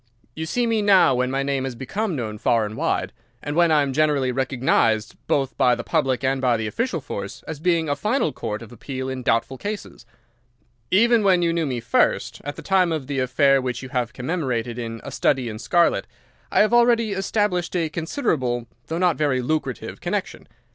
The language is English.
You see me now when my name has become known far and wide, and when I am generally recognised both by the public and by the official force as being a final court of appeal in doubtful cases. Even when you knew me first, at the time of the affair which you have commemorated in 'A Study in Scarlet,' I had already established a considerable, though not a very lucrative, connection.